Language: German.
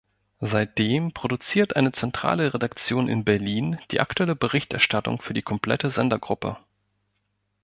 Seitdem produziert eine zentrale Redaktion in Berlin die aktuelle Berichterstattung für die komplette Sendergruppe.